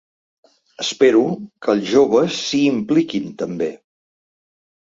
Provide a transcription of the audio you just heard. Espero que els joves s’hi impliquin també.